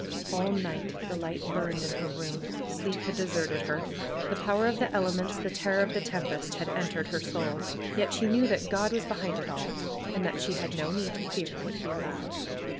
All night the light burned in her room. Sleep had deserted her. Tlie power of the elements, the terror of the tempest, had entered her soul. Yet she knew that God was behind it all, and that she had no need to fear what He allowed.